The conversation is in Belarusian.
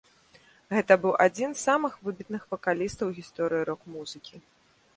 Гэта быў адзін з самых выбітных вакалістаў у гісторыі рок-музыкі.